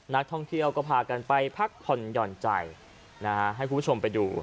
นักท่องเที่ยวก็พากันไปพักผ่อนหย่อนใจนะฮะให้คุณผู้ชมไปดู